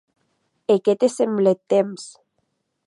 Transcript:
E qué te semble eth temps?